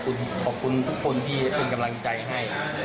ขอบคุณทุกคนที่เป็นกำลังใจให้